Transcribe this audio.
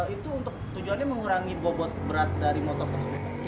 itu untuk tujuannya mengurangi bobot berat dari motor tersebut